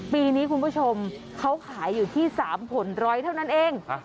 ปีนี้คุณผู้ชมเขาขายอยู่ที่๓ผลร้อยเท่านั้นเอง